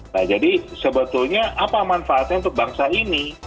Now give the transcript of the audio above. nah jadi sebetulnya apa manfaatnya untuk bangsa ini